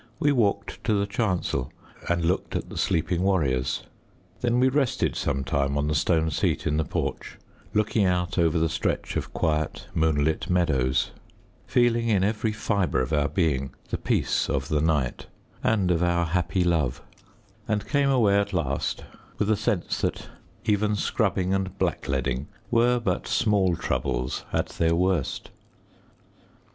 We walked to the chancel and looked at the sleeping warriors. Then we rested some time on the stone seat in the porch, looking out over the stretch of quiet moonlit meadows, feeling in every fibre of our being the peace of the night and of our happy love; and came away at last with a sense that even scrubbing and blackleading were but small troubles at their worst.